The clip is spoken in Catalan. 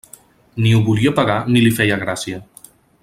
Ni ho volia pagar ni li feia gràcia.